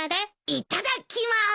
いっただきます。